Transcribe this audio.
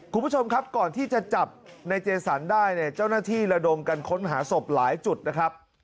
คุณผู้ชมครับก่อนที่จะจับในเจสันได้เนี่ยเจ้าหน้าที่ระดมกันค้นหาศพหลายจุดนะครับ